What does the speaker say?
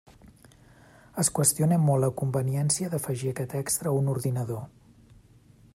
Es qüestiona molt la conveniència d'afegir aquest extra a un ordinador.